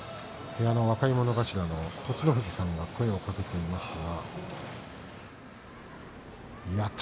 部屋の若者頭の栃乃藤さんが声をかけていますが。